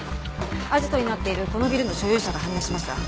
アジトになっているこのビルの所有者が判明しました。